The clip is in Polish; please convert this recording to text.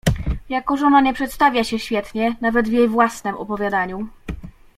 "Jako żona nie przedstawia się świetnie, nawet w jej własnem opowiadaniu."